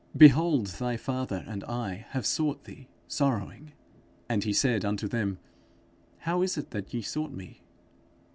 behold, thy father and I have sought thee sorrowing.' And he said unto them, 'How is it that ye sought me?